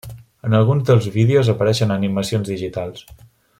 En alguns dels vídeos apareixen animacions digitals.